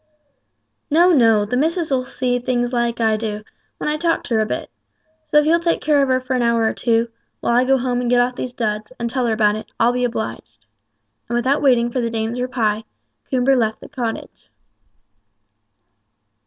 "No, no! the missus'll see things as I do, when I talk to her a bit. So if you'll take care of her for an hour or two, while I go home and get off these duds, and tell her about it, I'll be obliged;" and without waiting for the dame's reply, Coomber left the cottage.